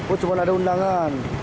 oh cuma ada undangan